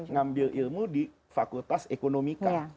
ngambil ilmu di fakultas ekonomika